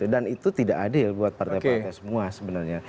dan itu tidak adil buat partai partai semua sebenarnya